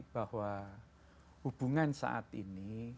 bahwa hubungan saat ini